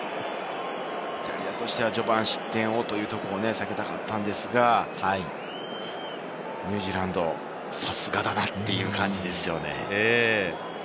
イタリアとしては序盤、失点を避けたかったのですが、ニュージーランド、さすがだなという感じですよね。